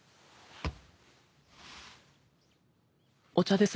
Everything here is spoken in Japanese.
お茶です。